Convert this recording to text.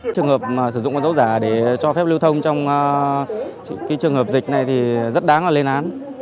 trường hợp sử dụng con dấu giả để cho phép lưu thông trong trường hợp dịch này thì rất đáng lên án